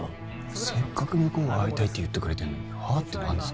せっかく向こうが会いたいって言ってくれてんのに「はあ？」って何ですか？